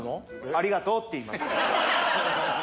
「ありがとう」って言います